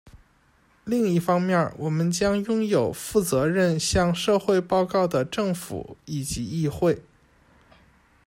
另一方面，我们将拥有负责任向社会报告的政府以及议会。